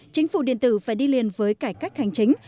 chính phủ điện tử phải đi liền với cải cách hành chính